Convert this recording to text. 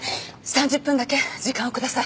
３０分だけ時間をください。